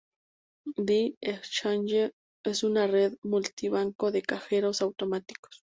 The Exchange es una red multi-banco de Cajeros Automáticos.